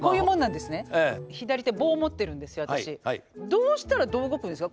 どうしたらどう動くんですか？